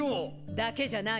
だけじゃないわ！